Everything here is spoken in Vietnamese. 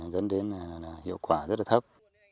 dẫn đến hiệu quả rất là thấp